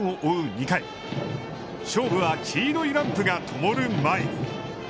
２回、勝負は黄色いランプがともる前に。